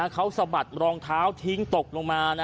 เขาสะบัดรองเท้าทิ้งตกลงมา